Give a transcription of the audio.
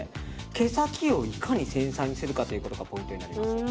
毛先をいかに繊細にするかがポイントになります。